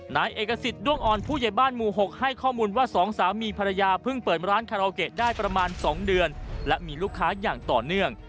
นายเอกสิทธิ์ด้วงอ่อนผู้ใหญ่บ้านหมู่๖ให้ข้อมูลว่าสองสามีภรรยาเพิ่งเปิดร้านคาราโอเกะได้ประมาณ๒เดือนและมีลูกค้าอย่างต่อเนื่อง